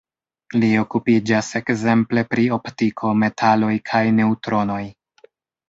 Li okupiĝas ekzemple pri optiko, metaloj kaj neŭtronoj.